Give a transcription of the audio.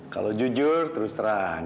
kalau jujur terus terang